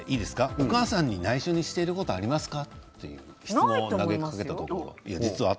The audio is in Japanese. お母さんにないしょにしていることはありますか？